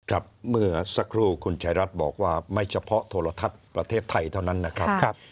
เมื่อสักครู่คุณชายรัฐบอกว่าไม่เฉพาะโทรทัศน์ประเทศไทยเท่านั้นนะครับ